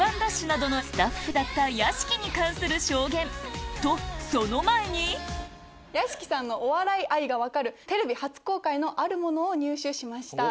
ＤＡＳＨ‼』などのスタッフだった屋敷に関する証言とその前に屋敷さんのお笑い愛が分かるテレビ初公開のあるものを入手しました。